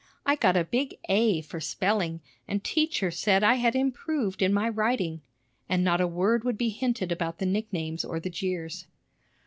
I got a big A for spelling, and teacher said I had improved in my writing." And not a word would be hinted about the nicknames or the jeers.